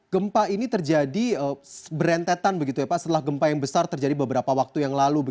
gempa ini terjadi berentetan begitu ya pak setelah gempa yang besar terjadi beberapa waktu yang lalu